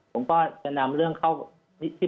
ก็จะนำเรื่องเข้าไปที่